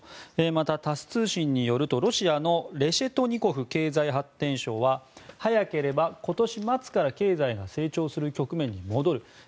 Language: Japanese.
またタス通信によるとロシアのレシェトニコフ経済発展相は早ければ今年末から経済が成長する局面に戻る。